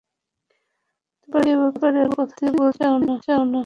তুমি এব্যাপারে কথাই বলতে চাও না।